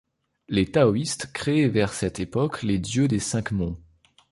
Les taoïstes créent vers cette époque les Dieux des cinq monts.